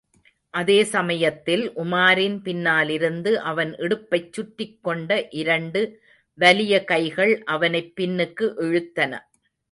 அதே சமயத்தில், உமாரின் பின்னாலிருந்து அவன் இடுப்பைச் சுற்றிக் கொண்ட இரண்டு வலியகைகள் அவனைப் பின்னுக்கு இழுத்தன.